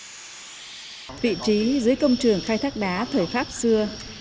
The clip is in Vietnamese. năm qua vị trí dưới công trường khai thác đá thời pháp xưa